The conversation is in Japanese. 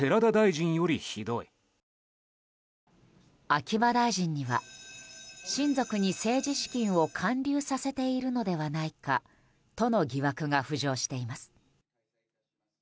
秋葉大臣には親族に政治資金を還流させているのではないかとの疑惑が浮上しています。